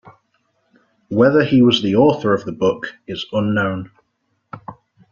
Whether he was the author of the book is unknown.